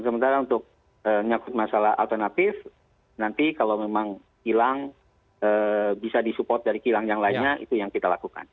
sementara untuk nyakut masalah alternatif nanti kalau memang hilang bisa disupport dari kilang yang lainnya itu yang kita lakukan